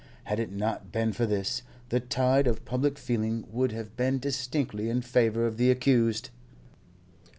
Had it not been for this, the tide of public feeling would have been distinctly in favour of the accused.